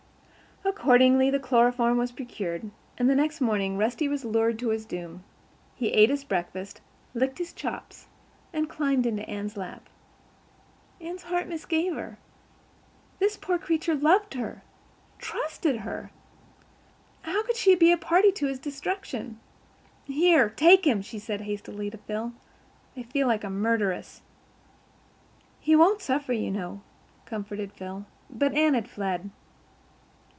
Accordingly the chloroform was procured, and the next morning Rusty was lured to his doom. He ate his breakfast, licked his chops, and climbed into Anne's lap. Anne's heart misgave her. This poor creature loved her—trusted her. How could she be a party to this destruction? "Here, take him," she said hastily to Phil. "I feel like a murderess." "He won't suffer, you know," comforted Phil, but Anne had fled.